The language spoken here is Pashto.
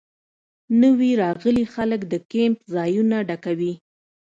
نوي راغلي خلک د کیمپ ځایونه ډکوي